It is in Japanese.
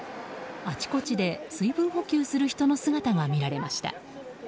あちこちで水分補給する人の姿が見られました。